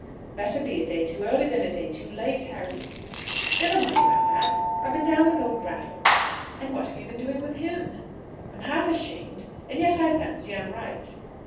"Better be a day too early than a day too late, Harry." "Never mind about that. I've been down with old Brattle." "And what have you been doing with him?" "I'm half ashamed, and yet I fancy I'm right."